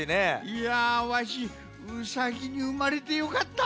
いやわしうさぎにうまれてよかった。